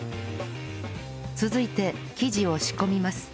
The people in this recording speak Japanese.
続いて生地を仕込みます